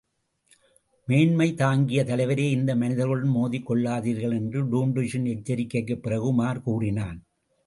மேன்மை தாங்கிய தலைவரே, இந்த மனிதர்களுடன் மோதிக் கொள்ளாதீர்கள் என்ற டூன்டுஷின் எச்சரிக்கைக்குப் பிறகு, உமார் கூறினான்.